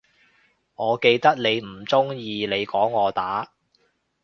我記得你唔鍾意你講我打